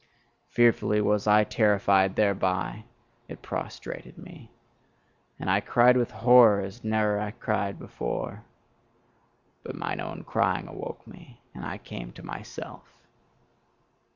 Fearfully was I terrified thereby: it prostrated me. And I cried with horror as I ne'er cried before. But mine own crying awoke me: and I came to myself.